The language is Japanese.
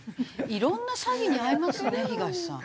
色んな詐欺に遭いますよね東さん。